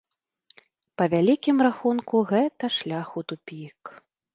Па вялікім рахунку, гэта шлях у тупік.